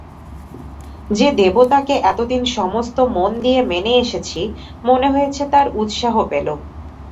যে দেবতাকে এতদিন সমস্ত মন দিয়ে মেনে এসেছি, মনে হয়েছে তাঁর উৎসাহ পেলুম।